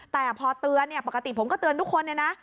แต่พอเตือนปกติผมก็เตือนทุกคน